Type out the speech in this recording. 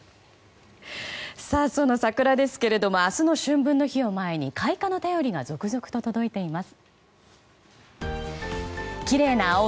その桜ですが明日の春分の日を前に開花の便りが続々と届いています。